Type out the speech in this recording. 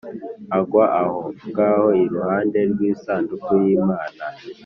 agwa aho ngaho iruhande rw’isanduku y’Imana.